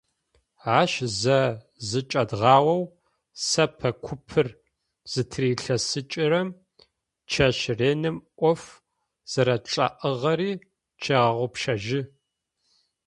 Ащ зэ зычӏэдгъаоу, сэпэ купыр зытырилъэсыкӏырэм, чэщ реным ӏоф зэрэтшӏагъэри тщегъэгъупшэжьы.